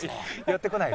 寄ってこない。